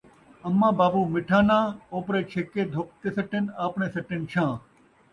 اماں بابو مٹھا ناں، اوپرے چھِک کے دھپ تے سٹن اپݨے سٹن چھاں